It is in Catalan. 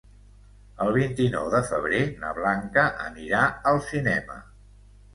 El vint-i-nou de febrer na Blanca anirà al cinema.